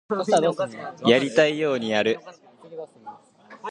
やりたいようにやる